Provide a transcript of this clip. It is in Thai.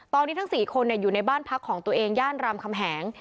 ตอนนี้ทั้ง๔คนอยู่ในบ้านพักของตัวเองย่านรามคำแหง